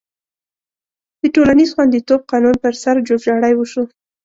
د ټولنیز خوندیتوب قانون پر سر جوړجاړی وشو.